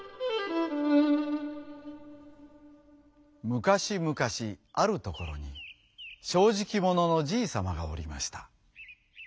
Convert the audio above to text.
むかしむかしあるところにしょうじきもののじいさまがおりました。